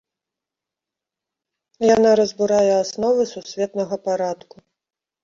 Яна разбурае асновы сусветнага парадку.